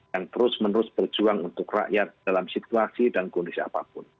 yang terus menerus berjuang untuk rakyat dalam situasi dan kondisi apapun